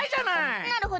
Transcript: なるほど。